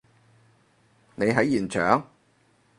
你喺現場？